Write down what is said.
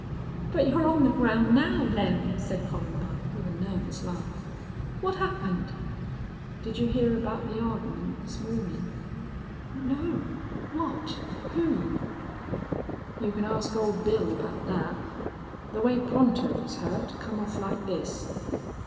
"But you're on the ground now, Lem," said Columbine, with a nervous laugh. "What happened?" "Did you hear about the argyment this mawnin'?" "No. What who " "You can ask Ole Bill aboot thet. The way Pronto was hurt come off like this.